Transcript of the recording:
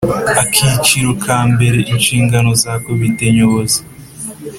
Akiciro ka mbere Inshingano za Komite Nyobozi